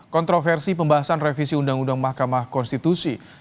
kontroversi pembahasan revisi undang undang mahkamah konstitusi